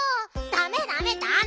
ダメダメダメ！